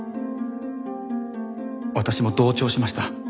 私も同調しました。